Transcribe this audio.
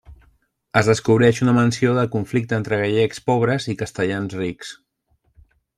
Es descobreix una menció del conflicte entre gallecs pobres i castellans rics.